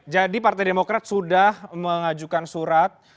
jadi partai demokrat sudah mengajukan surat